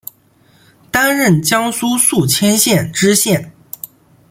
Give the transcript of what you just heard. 担任江苏宿迁县知县。